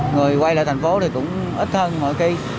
người quay lại thành phố thì cũng ít hơn mọi khi